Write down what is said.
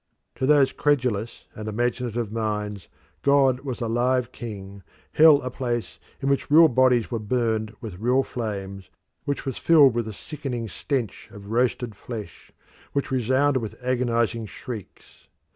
To those credulous and imaginative minds God was a live king, hell a place in which real bodies were burnt with real flames, which was filled with the sickening stench of roasted flesh, which resounded with agonising shrieks.